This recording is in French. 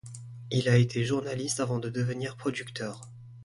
Il a été journaliste avant de devenir producteur.